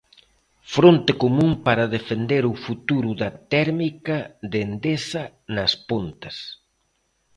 Fronte común para defender o futuro da térmica de Endesa nas Pontes.